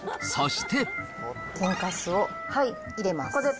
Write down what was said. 天かすを入れます。